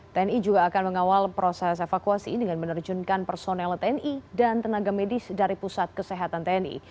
tni juga akan mengawal proses evakuasi dengan menerjunkan personel tni dan tenaga medis dari pusat kesehatan tni